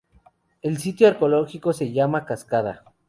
El Sitio Arqueológico se llama Cascada.